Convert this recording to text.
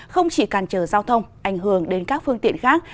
không chỉ càn trở giao thông ảnh hưởng đến các phương tiện khác